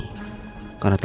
sampai jumpa lagi